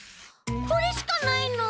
これしかないの？